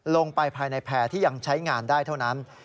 ลงไปภายในแพร่ที่ยังใช้งานได้เท่านั้น